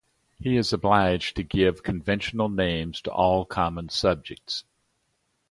He is obliged to give conventional names to all common objects.